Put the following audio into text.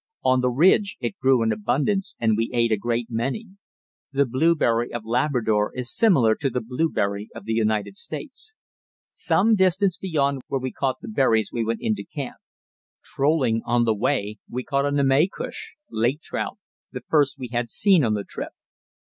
On the ridge it grew in abundance, and we ate a great many. The blueberry of Labrador is similar to the blueberry of the United States. Some distance beyond where we got the berries we went into camp. Trolling on the way, we caught a namaycush (lake trout), the first we had seen on the trip.